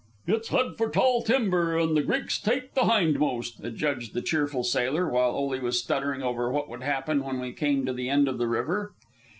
"It's head for tall timber, and the Greeks take the hindermost," adjudged the cheerful sailor, while Ole was stuttering over what would happen when we came to the end of the river.